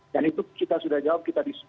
dan itu kita sudah jawab